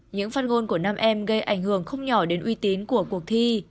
những phát ngôn của nam em gây ảnh hưởng không nhỏ đến uy tín của cuộc thi